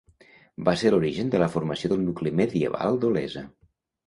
Va ser l'origen de la formació del nucli medieval d'Olesa.